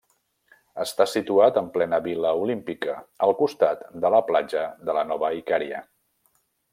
Està situat en plena Vila Olímpica, al costat de la Platja de la Nova Icària.